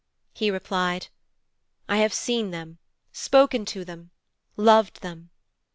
He replied: 'I have seen them, spoken to them, loved them.